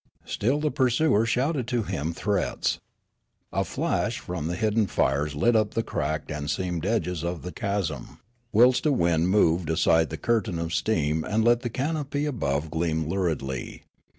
Still the pursuer shouted to him threats. A flash from the hidden fires lit up the cracked and seamed edges of the chasm, whilst a wind moved aside the curtain of steam and let the canopy above gleam luridly.